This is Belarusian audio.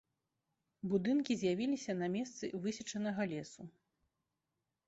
Будынкі з'явіліся на месцы высечанага лесу.